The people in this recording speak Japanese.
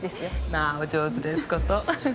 まあお上手ですことフフ。